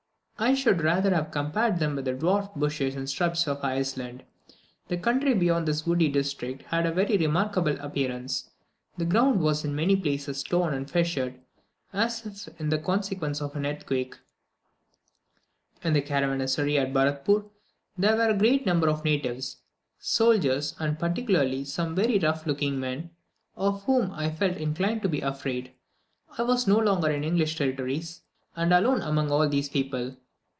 I should rather have compared them with the dwarfed bushes and shrubs of Iceland. The country beyond this woody district had a very remarkable appearance; the ground was in many places torn and fissured, as if in consequence of an earthquake. In the caravansary at Baratpoor there were a great number of natives, soldiers, and particularly some very rough looking men, of whom I felt inclined to be afraid: I was no longer in the English territories, and alone among all these people.